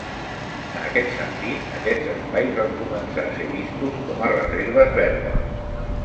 En aquest sentit aquests espais van començar a ser vistos com a reserves verdes.